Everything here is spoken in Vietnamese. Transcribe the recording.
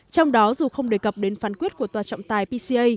trong đó dù không đề cập đến phán quyết của tòa trọng tài pca